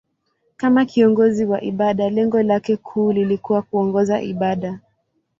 Kama kiongozi wa ibada, lengo lake kuu lilikuwa kuongoza ibada.